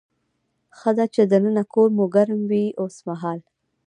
ښه ده چې دننه کور مو ګرم وي اوسمهال.